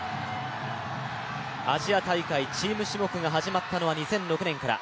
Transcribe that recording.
アジア大会チーム種目が始まったのは２００６年から。